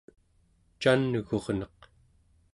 can'gurneq